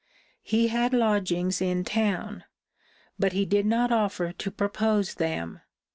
He had lodgings in town; but he did not offer to propose them.